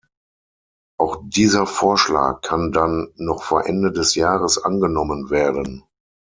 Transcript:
Auch dieser Vorschlag kann dann noch vor Ende des Jahres angenommen werden.